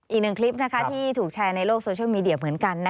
อีกหนึ่งคลิปที่ถูกแชร์ในโลกโซเชียลมีเดียเหมือนกัน